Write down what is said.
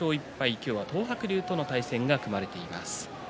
今日は東白龍との対戦が組まれています。